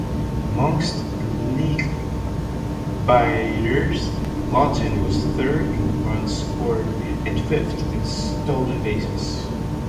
Amongst league batters, Lawton was third in runs scored, and fifth in stolen bases.